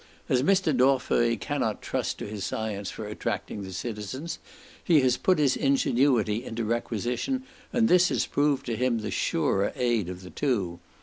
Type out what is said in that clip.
As Mr. Dorfeuille cannot trust to his science for attracting the citizens, he has put his ingenuity into requisition, and this has proved to him the surer aid of the two.